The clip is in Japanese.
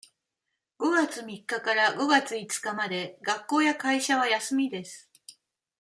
五月三日から五月五日まで学校や会社は休みです。